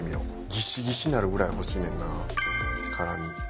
ギシギシになるぐらい欲しいねんな辛み。